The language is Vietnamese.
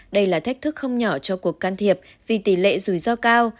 đây là thách thức không nhỏ cho cuộc can thiệp vì tỷ lệ rủi ro cao